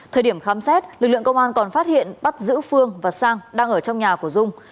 thời điểm khám xét lực lượng công an còn phát hiện bắt giữ phương và sang đang ở trong nhà của dung